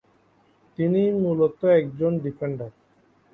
তিনি মূলত একজন ডিফেন্ডার।